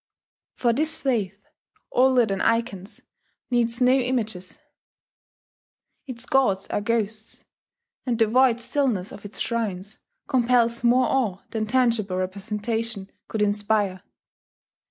For this faith, older than icons, needs no images: its gods are ghosts; and the void stillness of its shrines compels more awe than tangible representation could inspire.